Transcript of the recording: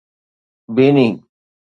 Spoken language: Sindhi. بيني